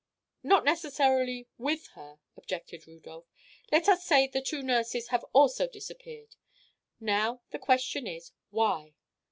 "Not necessarily with her," objected Rudolph. "Let us say the two nurses have also disappeared. Now, the question is, why?"